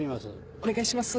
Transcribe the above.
お願いします。